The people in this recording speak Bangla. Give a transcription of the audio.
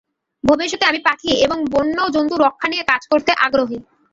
ভবিষ্যতে আমি পাখি এবং বন্য জন্তু রক্ষা নিয়ে কাজ করতে আগ্রহী।